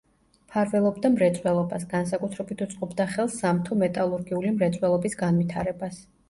მფარველობდა მრეწველობას, განსაკუთრებით უწყობდა ხელს სამთო-მეტალურგიული მრეწველობის განვითარებას.